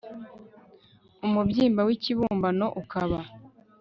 umubyimba w ikibumbano ukaba